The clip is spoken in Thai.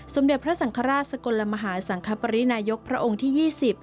สมเด็จพระสังฆราชสกลมหาสังคปรินายกพระองค์ที่๒๐